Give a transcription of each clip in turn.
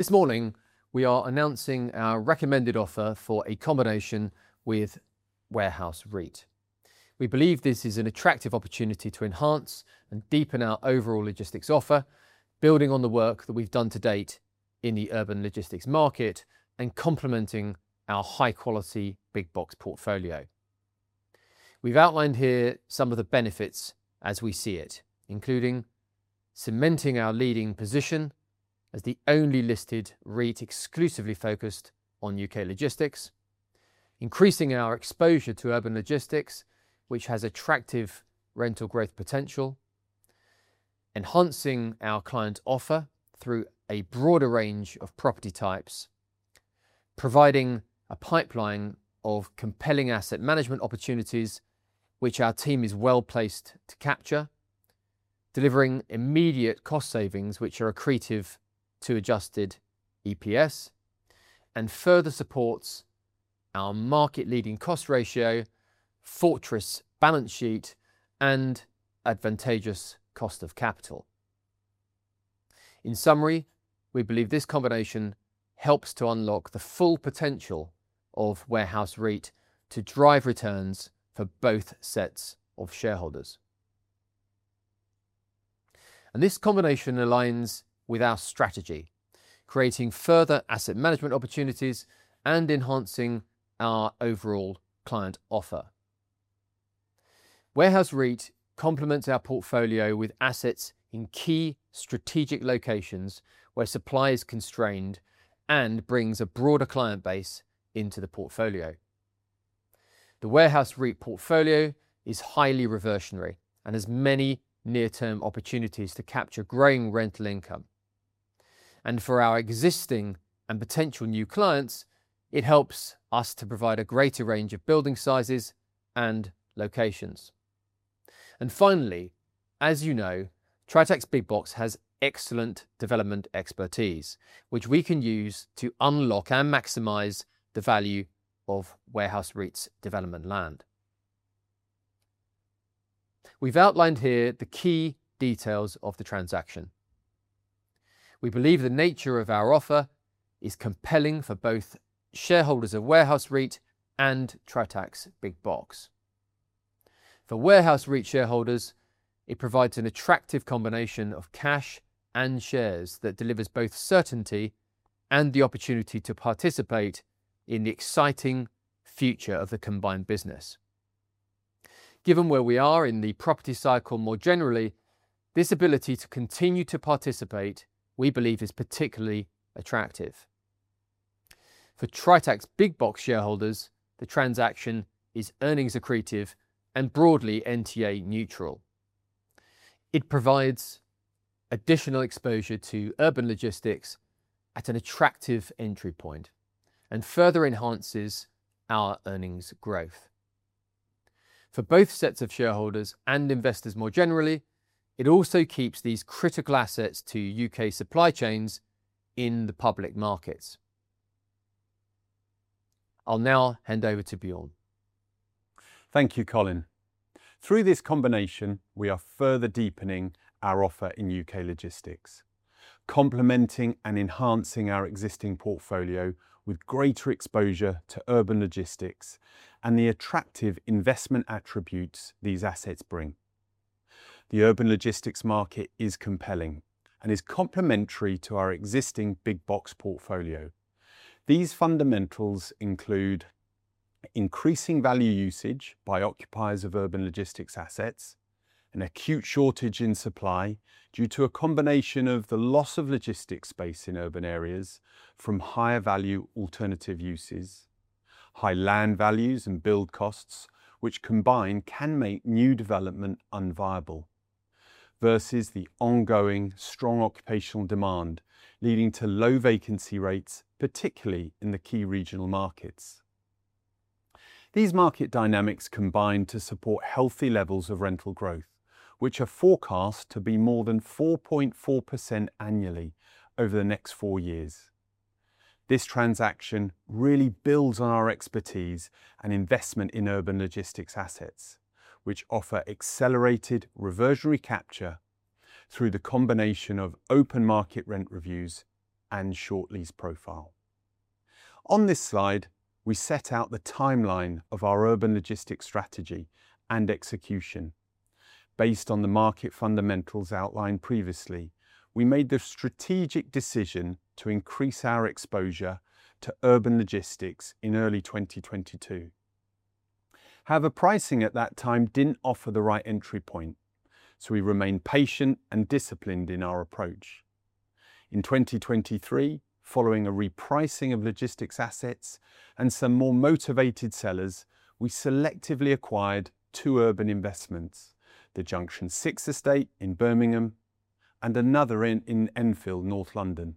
This morning, we are announcing our recommended offer for a combination with Warehouse REIT. We believe this is an attractive opportunity to enhance and deepen our overall logistics offer, building on the work that we've done to date in the urban logistics market and complementing our high-quality big box portfolio. We've outlined here some of the benefits as we see it, including cementing our leading position as the only listed REIT exclusively focused on U.K. logistics, increasing our exposure to urban logistics, which has attractive rental growth potential: enhancing our client offer through a broader range of property types, providing a pipeline of compelling asset management opportunities, which our team is well placed to capture, delivering immediate cost savings, which are accretive to adjusted EPS, and further supports our market-leading cost ratio, fortress balance sheet, and advantageous cost of capital. In summary, we believe this combination helps to unlock the full potential of Warehouse REIT to drive returns for both sets of shareholders. This combination aligns with our strategy, creating further asset management opportunities and enhancing our overall client offer. Warehouse REIT complements our portfolio with assets in key strategic locations where supply is constrained and brings a broader client base into the portfolio. The Warehouse REIT portfolio is highly reversionary and has many near-term opportunities to capture growing rental income. For our existing and potential new clients, it helps us to provide a greater range of building sizes and locations. Finally, as you know, Tritax Big Box has excellent development expertise, which we can use to unlock and maximize the value of Warehouse REIT's development land. We have outlined here the key details of the transaction. We believe the nature of our offer is compelling for both shareholders of Warehouse REIT and Tritax Big Box. For Warehouse REIT shareholders, it provides an attractive combination of cash and shares that delivers both certainty and the opportunity to participate in the exciting future of the combined business. Given where we are in the property cycle more generally, this ability to continue to participate, we believe, is particularly attractive. For Tritax Big Box shareholders, the transaction is earnings accretive and broadly NTA neutral. It provides additional exposure to urban logistics at an attractive entry point and further enhances our earnings growth. For both sets of shareholders and investors more generally, it also keeps these critical assets to U.K. supply chains in the public markets. I'll now hand over to Bjorn. Thank you, Colin. Through this combination, we are further deepening our offer in U.K. logistics, complementing and enhancing our existing portfolio with greater exposure to urban logistics and the attractive investment attributes these assets bring. The urban logistics market is compelling and is complementary to our existing big box portfolio. These fundamentals include increasing value usage by occupiers of urban logistics assets, an acute shortage in supply due to a combination of the loss of logistics space in urban areas from higher value alternative uses, high land values and build costs, which combined can make new development unviable, versus the ongoing strong occupational demand leading to low vacancy rates, particularly in the key regional markets. These market dynamics combine to support healthy levels of rental growth, which are forecast to be more than 4.4% annually over the next four years. This transaction really builds on our expertise and investment in urban logistics assets, which offer accelerated reversionary capture through the combination of open market rent reviews and short lease profile. On this slide, we set out the timeline of our urban logistics strategy and execution. Based on the market fundamentals outlined previously, we made the strategic decision to increase our exposure to urban logistics in early 2022. However, pricing at that time did not offer the right entry point, so we remained patient and disciplined in our approach. In 2023, following a repricing of logistics assets and some more motivated sellers, we selectively acquired two urban investments, the Junction Six estate in Birmingham and another in Enfield, North London.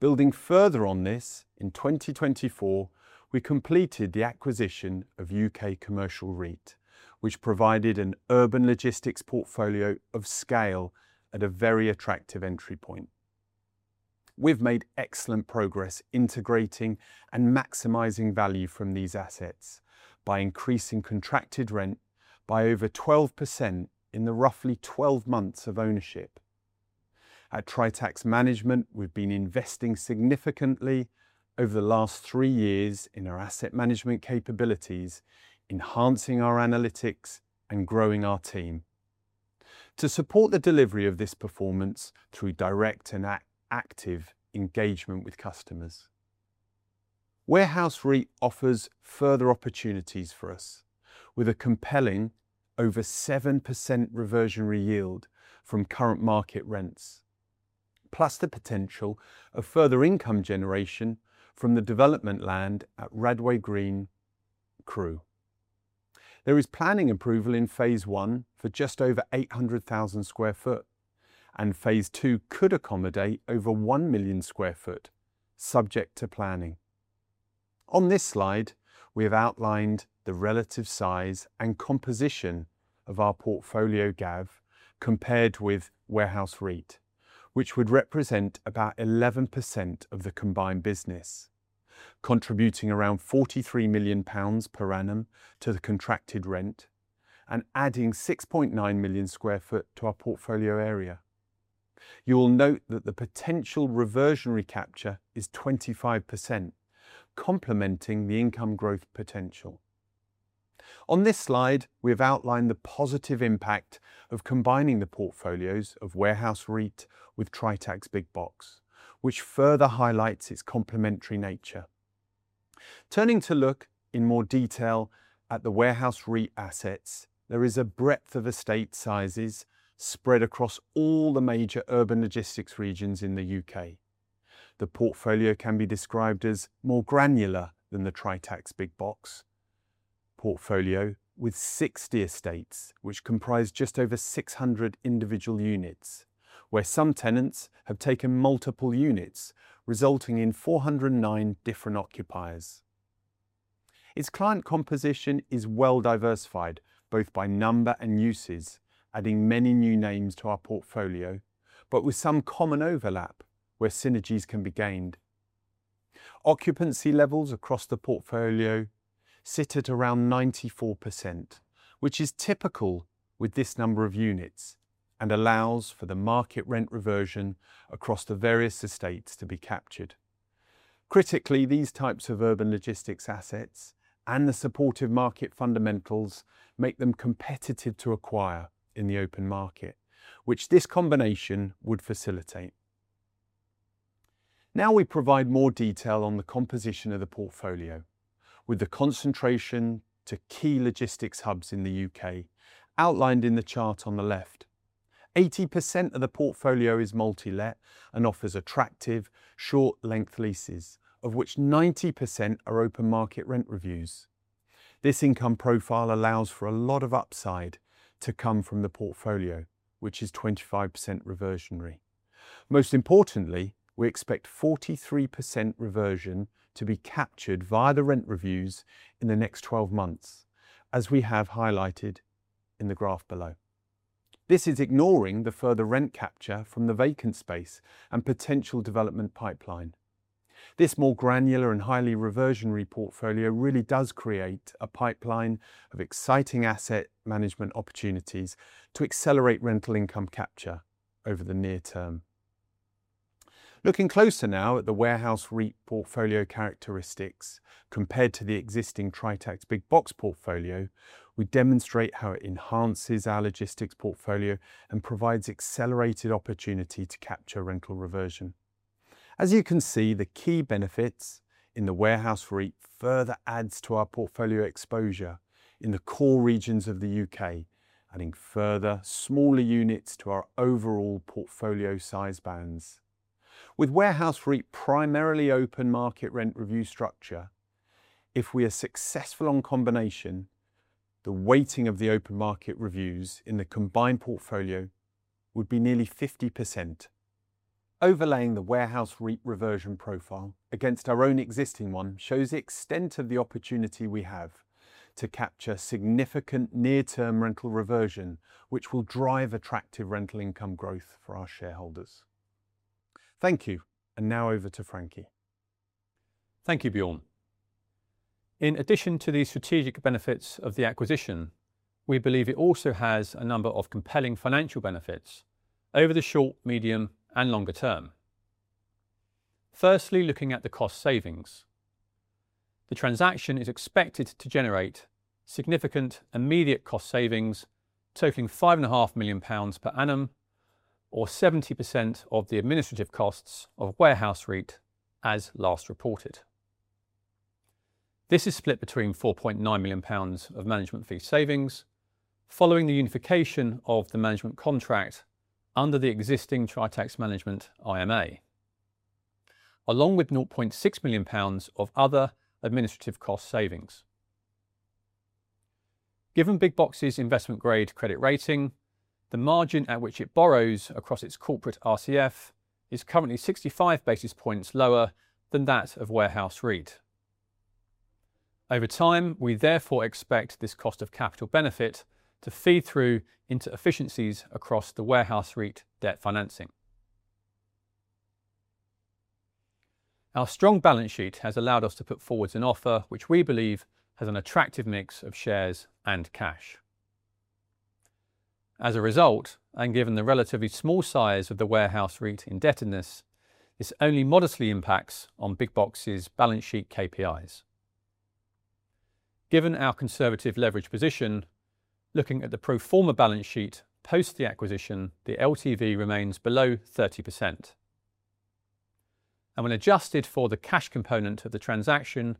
Building further on this, in 2024, we completed the acquisition of UK Commercial REIT, which provided an urban logistics portfolio of scale at a very attractive entry point. We've made excellent progress integrating and maximizing value from these assets by increasing contracted rent by over 12% in the roughly 12 months of ownership. At Tritax Management, we've been investing significantly over the last three years in our asset management capabilities, enhancing our analytics and growing our team to support the delivery of this performance through direct and active engagement with customers. Warehouse REIT offers further opportunities for us with a compelling over 7% reversionary yield from current market rents, plus the potential of further income generation from the development land at Radway Green Crewe. There is planning approval in phase one for just over 800,000 sq ft, and phase two could accommodate over 1 million sq ft, subject to planning. On this slide, we have outlined the relative size and composition of our portfolio GAV compared with Warehouse REIT, which would represent about 11% of the combined business, contributing around 43 million pounds per annum to the contracted rent and adding 6.9 million sq ft to our portfolio area. You will note that the potential reversionary capture is 25%, complementing the income growth potential. On this slide, we have outlined the positive impact of combining the portfolios of Warehouse REIT with Tritax Big Box, which further highlights its complementary nature. Turning to look in more detail at the Warehouse REIT assets, there is a breadth of estate sizes spread across all the major urban logistics regions in the U.K. The portfolio can be described as more granular than the Tritax Big Box portfolio with 60 estates, which comprise just over 600 individual units, where some tenants have taken multiple units, resulting in 409 different occupiers. Its client composition is well diversified, both by number and uses, adding many new names to our portfolio, but with some common overlap where synergies can be gained. Occupancy levels across the portfolio sit at around 94%, which is typical with this number of units and allows for the market rent reversion across the various estates to be captured. Critically, these types of urban logistics assets and the supportive market fundamentals make them competitive to acquire in the open market, which this combination would facilitate. Now we provide more detail on the composition of the portfolio, with the concentration to key logistics hubs in the U.K. outlined in the chart on the left. 80% of the portfolio is multi-let and offers attractive short-length leases, of which 90% are open market rent reviews. This income profile allows for a lot of upside to come from the portfolio, which is 25% reversionary. Most importantly, we expect 43% reversion to be captured via the rent reviews in the next 12 months, as we have highlighted in the graph below. This is ignoring the further rent capture from the vacant space and potential development pipeline. This more granular and highly reversionary portfolio really does create a pipeline of exciting asset management opportunities to accelerate rental income capture over the near term. Looking closer now at the Warehouse REIT portfolio characteristics compared to the existing Tritax Big Box portfolio, we demonstrate how it enhances our logistics portfolio and provides accelerated opportunity to capture rental reversion. As you can see, the key benefits in the Warehouse REIT further add to our portfolio exposure in the core regions of the U.K., adding further smaller units to our overall portfolio size bands. With Warehouse REIT primarily open market rent review structure, if we are successful on combination, the weighting of the open market reviews in the combined portfolio would be nearly 50%. Overlaying the Warehouse REIT reversion profile against our own existing one shows the extent of the opportunity we have to capture significant near-term rental reversion, which will drive attractive rental income growth for our shareholders. Thank you, and now over to Frankie. Thank you, Bjorn. In addition to the strategic benefits of the acquisition, we believe it also has a number of compelling financial benefits over the short, medium, and longer term. Firstly, looking at the cost savings, the transaction is expected to generate significant immediate cost savings totaling 5.5 million pounds per annum, or 70% of the administrative costs of Warehouse REIT as last reported. This is split between 4.9 million pounds of management fee savings following the unification of the management contract under the existing Tritax Management IMA, along with 0.6 million pounds of other administrative cost savings. Given Big Box's investment-grade credit rating, the margin at which it borrows across its corporate RCF is currently 65 basis points lower than that of Warehouse REIT. Over time, we therefore expect this cost of capital benefit to feed through into efficiencies across the Warehouse REIT debt financing. Our strong balance sheet has allowed us to put forward an offer which we believe has an attractive mix of shares and cash. As a result, and given the relatively small size of the Warehouse REIT indebtedness, this only modestly impacts on Big Box's balance sheet KPIs. Given our conservative leverage position, looking at the pro forma balance sheet post the acquisition, the LTV remains below 30%. When adjusted for the cash component of the transaction,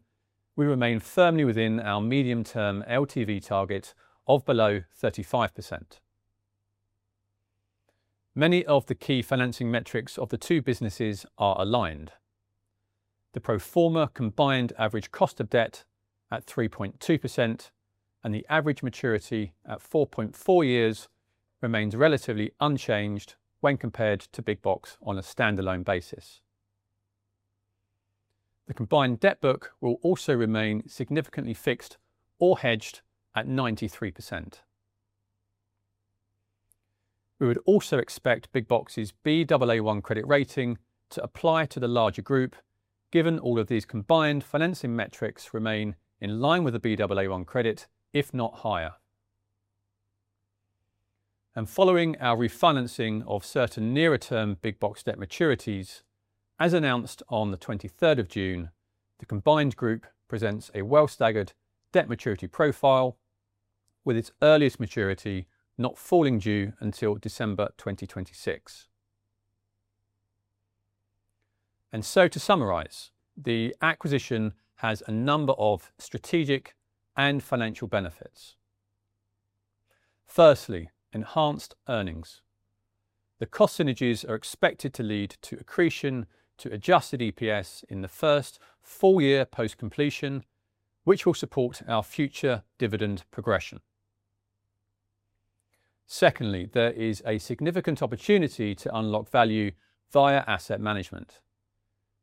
we remain firmly within our medium-term LTV target of below 35%. Many of the key financing metrics of the two businesses are aligned. The pro forma combined average cost of debt at 3.2% and the average maturity at 4.4 years remains relatively unchanged when compared to Big Box on a standalone basis. The combined debt book will also remain significantly fixed or hedged at 93%. We would also expect Big Box's BAA1 credit rating to apply to the larger group, given all of these combined financing metrics remain in line with the BAA1 credit, if not higher. Following our refinancing of certain nearer-term Big Box debt maturities, as announced on the 23rd of June, the combined group presents a well-staggered debt maturity profile, with its earliest maturity not falling due until December 2026. To summarize, the acquisition has a number of strategic and financial benefits. Firstly, enhanced earnings. The cost synergies are expected to lead to accretion to adjusted EPS in the first four-year post-completion, which will support our future dividend progression. Secondly, there is a significant opportunity to unlock value via asset management,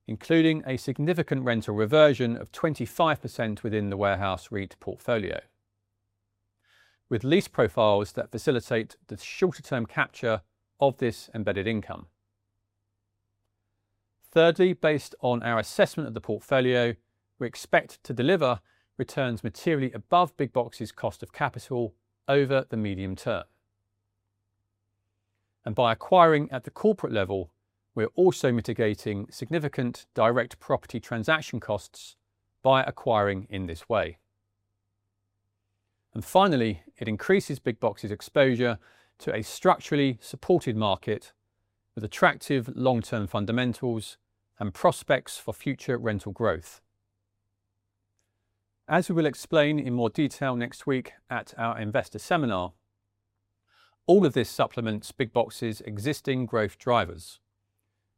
including a significant rental reversion of 25% within the Warehouse REIT portfolio, with lease profiles that facilitate the shorter-term capture of this embedded income. Thirdly, based on our assessment of the portfolio, we expect to deliver returns materially above Big Box's cost of capital over the medium term. By acquiring at the corporate level, we are also mitigating significant direct property transaction costs by acquiring in this way. Finally, it increases Big Box's exposure to a structurally supported market with attractive long-term fundamentals and prospects for future rental growth. As we will explain in more detail next week at our investor seminar, all of this supplements Big Box's existing growth drivers,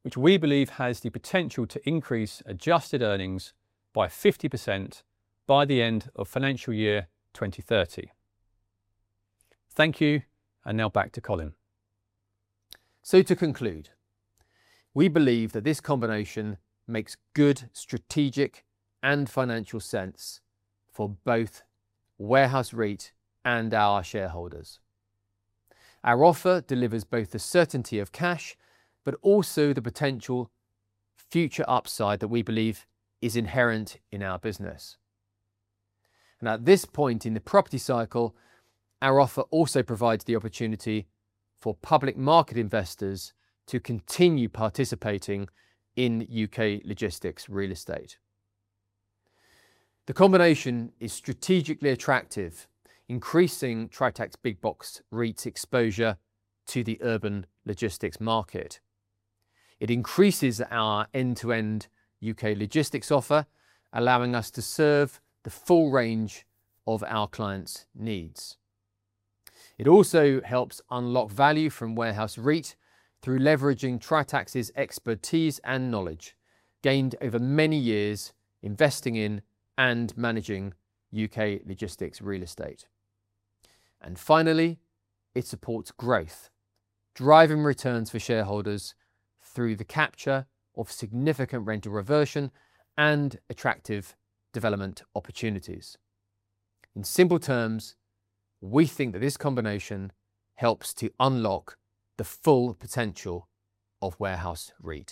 which we believe has the potential to increase adjusted earnings by 50% by the end of financial year 2030. Thank you, and now back to Colin. To conclude, we believe that this combination makes good strategic and financial sense for both Warehouse REIT and our shareholders. Our offer delivers both the certainty of cash, but also the potential future upside that we believe is inherent in our business. At this point in the property cycle, our offer also provides the opportunity for public market investors to continue participating in U.K. logistics real estate. The combination is strategically attractive, increasing Tritax Big Box REIT's exposure to the urban logistics market. It increases our end-to-end U.K. logistics offer, allowing us to serve the full range of our clients' needs. It also helps unlock value from Warehouse REIT through leveraging Tritax's expertise and knowledge gained over many years investing in and managing U.K. logistics real estate. Finally, it supports growth, driving returns for shareholders through the capture of significant rental reversion and attractive development opportunities. In simple terms, we think that this combination helps to unlock the full potential of Warehouse REIT.